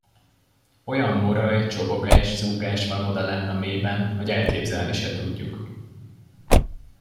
Olyan moraj, csobogás, zúgás van odalenn a mélyben, hogy elképzelni se tudjuk.